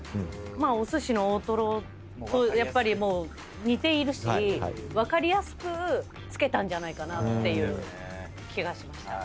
おすしのオオトロとやっぱりもう似ているし分かりやすく付けたんじゃないかっていう気がしました。